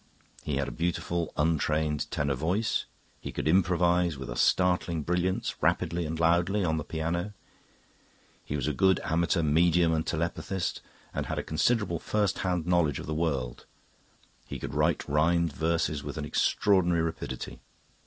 He had a beautiful untrained tenor voice; he could improvise, with a startling brilliance, rapidly and loudly, on the piano. He was a good amateur medium and telepathist, and had a considerable first hand knowledge of the next world. He could write rhymed verses with an extraordinary rapidity.